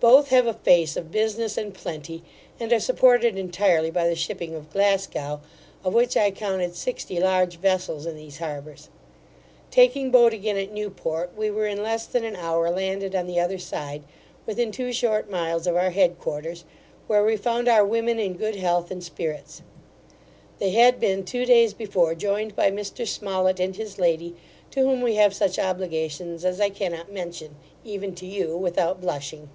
Both have a face of business and plenty, and are supported entirely by the shipping of Glasgow, of which I counted sixty large vessels in these harbours Taking boat again at Newport, we were in less than an hour landed on the other side, within two short miles of our head quarters, where we found our women in good health and spirits. They had been two days before joined by Mr. Smollett and his lady, to whom we have such obligations as I cannot mention, even to you, without blushing.